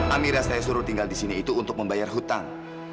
amira saya suruh tinggal di sini itu untuk membayar hutang